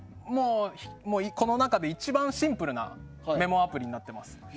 この中で一番シンプルなメモアプリになっています。